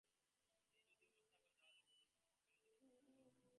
এই যদি অবস্থা হয়, তাহলে বৈদান্তিকগণ সকলের জন্যই অপেক্ষা করতে পারেন।